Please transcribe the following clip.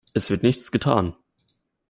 Es wird nichts getan.